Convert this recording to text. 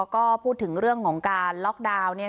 ก็พูดถึงเรื่องของการล็อกดาวน์